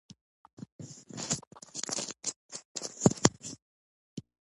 ښوونکی درس وايي.